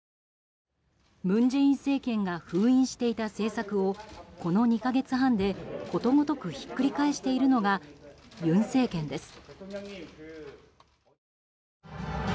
文在寅政権が封印していた政策をこの２か月半で、ことごとくひっくり返しているのが尹政権です。